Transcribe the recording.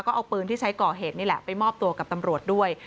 ก็เอาปืนที่ใช้ก่อเหตุนี่แหละไปมอบตัวกับตำรวจด้วย